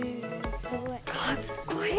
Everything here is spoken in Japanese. かっこいい！